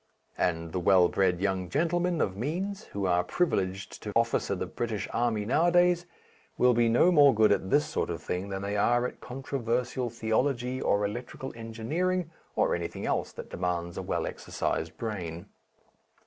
(And the well bred young gentlemen of means who are privileged to officer the British Army nowadays will be no more good at this sort of thing than they are at controversial theology or electrical engineering or anything else that demands a well exercised brain.)...